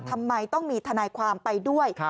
ทำไมต้องมีทนายความไปด้วย